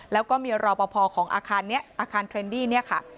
แล้วก็มีรอปภของอาคารนี้อาคารเทรนดี้เนี่ยค่ะ